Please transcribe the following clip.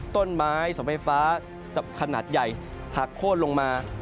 ต้นไม้เสาไฟฟ้าขนาดใหญ่หักโค้นลงมา